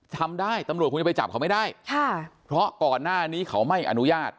ทำได้ตำรวจคงจะไปจับเขาไม่ได้ค่ะเพราะก่อนหน้านี้เขาไม่อนุญาต